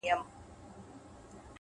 مثبت ذهن د فرصتونو بوی احساسوي’